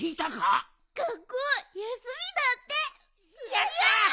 やった！